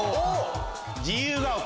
自由が丘。